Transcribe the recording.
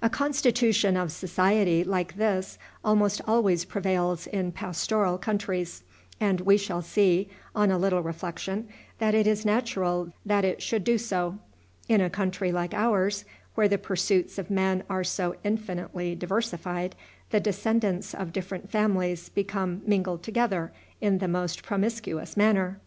A constitution of society like this almost always prevails in pastoral countries, and we shall see, on a little reflection, that it is natural that it should do so. In a country like ours, where the pursuits of men are so infinitely diversified, the descendants of different families become mingled together in the most promiscuous manner.